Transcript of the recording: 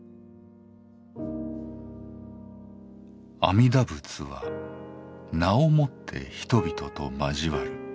「阿弥陀仏は『名』をもって人々と交わる。